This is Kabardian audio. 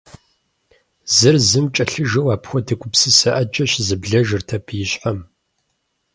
Зыр зым кӏэлъыжэу апхуэдэ гупсысэ ӏэджэ щызэблэжырт абы и щхьэм.